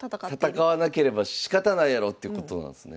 戦わなければしかたないやろってことなんですね。